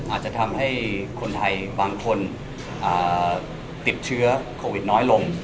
อาจจะทำให้คนไทยบางคนติดเชื้อโควิดน้อยลง